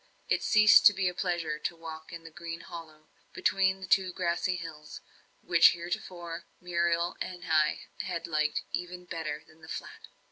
It ceased to be a pleasure to walk in the green hollow, between the two grassy hills, which heretofore Muriel and I had liked even better than the Flat.